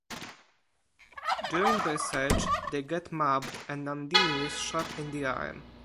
During their search, they get mobbed and Nandini is shot in the arm.